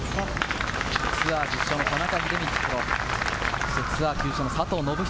ツアー１０勝の田中秀道プロ、そしてツアー９勝の佐藤信人